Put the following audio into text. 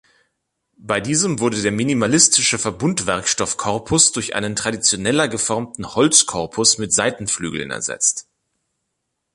Bei diesem wurde der minimalistische Verbundwerkstoff-Korpus durch einen traditioneller geformten Holzkorpus mit Seitenflügeln ersetzt.